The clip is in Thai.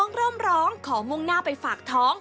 เริ่มร้องขอมุ่งหน้าไปฝากท้อง